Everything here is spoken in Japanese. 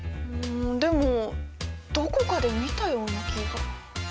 でもどこかで見たような気が。